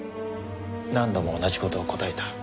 何度も同じ事を答えた。